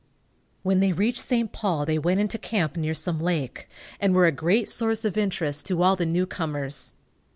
When they reached St. Paul they went into camp near some lake, and were a great source of interest to all the newcomers.